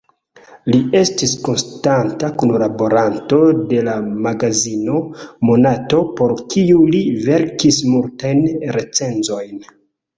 Li estis konstanta kunlaboranto de la magazino "Monato", por kiu li verkis multajn recenzojn.